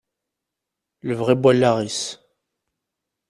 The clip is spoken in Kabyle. Lebɣi n wallaɣ-is.